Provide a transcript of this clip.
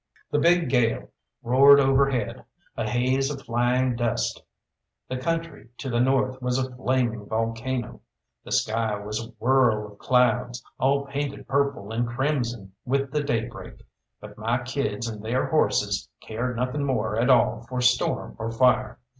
The big gale roared overhead; a haze of flying dust; the country to the north was a flaming volcano; the sky was a whirl of clouds, all painted purple and crimson with the daybreak; but my kids and their horses cared nothing more at all for storm or fire.